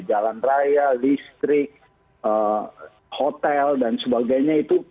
jalan raya listrik hotel dan sebagainya itu